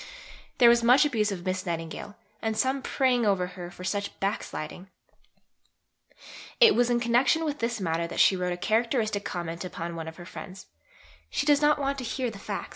There was much abuse of Miss Nightingale, and some praying over her for such "backsliding." It was in connection with this matter that she wrote a characteristic comment upon one of her friends: "She does not want to hear facts; she wants to be enthusiastic."